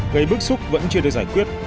gây bức xúc vẫn chưa được giải quyết